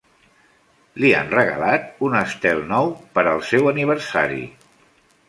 Li han regalat un estel nou per al seu aniversari.